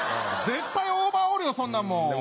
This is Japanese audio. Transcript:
絶対オーバーオールよそんなもん。